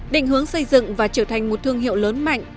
định hướng xây dựng và trở thành một thương hiệu lớn mạnh